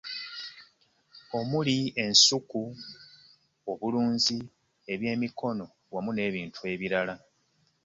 Omuli; ensuku, obulunzi, eb'yemikono wamu n'ebintu ebirala.